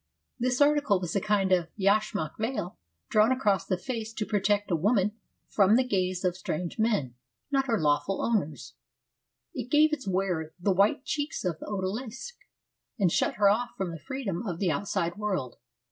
This article was a kind of yashmak veil, drawn across the face to protect a woman from the gaze of strange men, not her lawful owners. It gave its wearer the white cheeks of the odalisque, and shut her off from the freedom of the outside world.